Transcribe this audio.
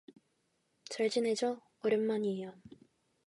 잘 지내죠. 오랜만이에요.